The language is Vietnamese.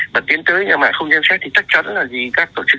và tiến tới nhà mạng không xem xét thì chắc chắn là vì các tổ chức